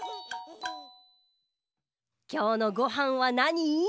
きょうのごはんはなに？